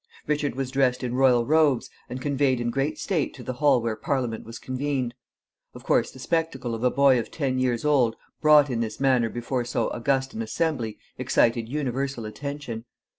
Richard was dressed in royal robes, and conveyed in great state to the hall where Parliament was convened. Of course, the spectacle of a boy of ten years old brought in this manner before so august an assembly excited universal attention.